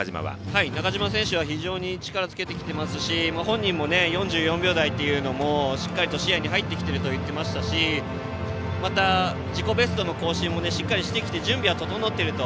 中島選手は非常に力をつけてきていますし本人も４４秒台というのもしっかり視野に入ってきていると言っていましたし自己ベストの更新もしっかりしてきて準備も整ってると。